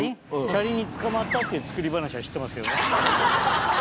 車輪につかまったっていう作り話は知ってますけどね。